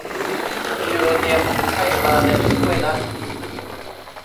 มียูเรเนียมให้มาในชุดด้วยนะ